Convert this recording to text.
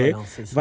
và khó khăn